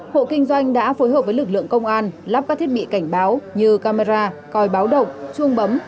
hộ kinh doanh đã phối hợp với lực lượng công an lắp các thiết bị cảnh báo như camera coi báo động chuông bấm